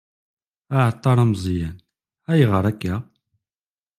Aεeṭṭar ameẓyan: Ayγer akka?